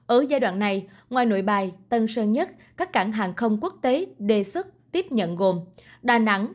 ở giai đoạn này ngoài nội bài tân sơn nhất các cảng hàng không quốc tế đề xuất tiếp nhận gồm đà nẵng